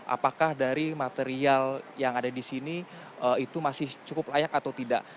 apakah dari material yang ada di sini itu masih cukup layak atau tidak